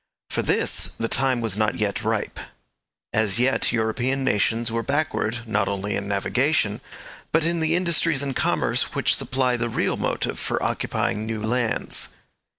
For this the time was not yet ripe. As yet European nations were backward, not only in navigation, but in the industries and commerce which supply the real motive for occupying new lands.